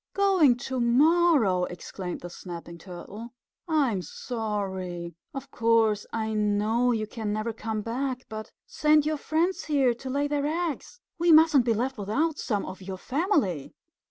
"Going to morrow!" exclaimed the Snapping Turtle. "I'm sorry. Of course I know you can never come back, but send your friends here to lay their eggs. We mustn't be left without some of your family."